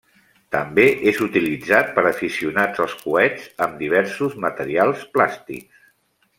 També és utilitzat per aficionats als coets amb diversos materials plàstics.